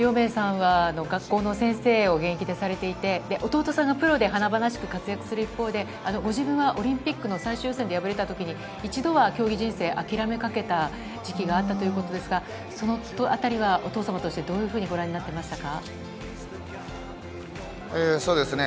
亮明さんは学校の先生を現役でされていてお父さんはプロで花々と活躍する一方で自分をオリンピックの最終戦で敗れた時に１度は競技人生、諦めかけた時期があったということですがそのあたりはお父様としてどういうふうにご覧になっていましたか？